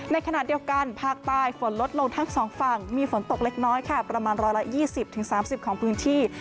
ในขณะเดียวกันภาคใต้ฝนลดลงทั้งสองฝั่งมีฝนตกเล็กน้อยค่ะประมาณ๑๒๐๓๐ของพื้นที่